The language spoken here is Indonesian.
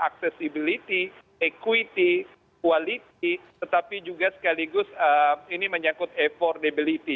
accessibility equity quality tetapi juga sekaligus ini menyangkut affordability